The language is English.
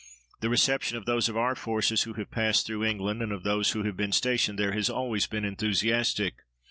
The reception of those of our forces who have passed through England and of those who have been stationed there has always been enthusiastic.